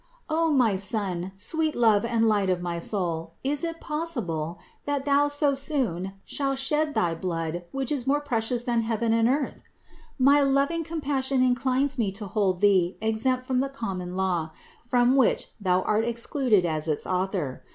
O my Son, sweet THE INCARNATION 435 Love and Light of my soul, is it possible, that Thou so soon shalt shed thy blood, which is more precious than heaven and earth? My loving compassion inclines me to hold Thee exempt from the common law, from which Thou art excluded as its Author.